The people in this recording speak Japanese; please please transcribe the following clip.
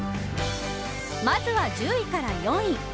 まずは１０位から４位。